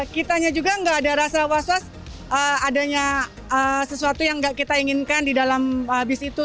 kitanya juga nggak ada rasa was was adanya sesuatu yang nggak kita inginkan di dalam bis itu